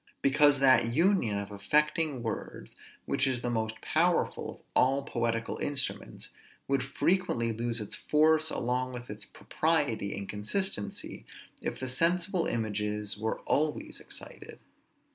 Because that union of affecting words, which is the most powerful of all poetical instruments, would frequently lose its force along with its propriety and consistency, if the sensible images were always excited.